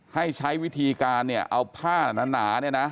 ให้ใช้วิธีการเนี่ยเอาผ้าหนาเนี่ยนะ